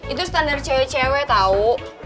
itu standar cewek cewek tau